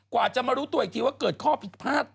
กว่าจะมารู้ตัวอีกทีว่าเกิดข้อผิดพลาด